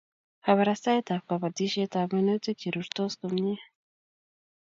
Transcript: Kaparastaet ab kapatisiet ab minutik Che rurtos komie